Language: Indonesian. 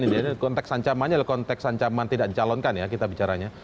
ini konteks ancaman tidak dicalonkan ya kita bicaranya